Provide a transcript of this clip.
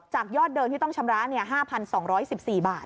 ยอดเดิมที่ต้องชำระ๕๒๑๔บาท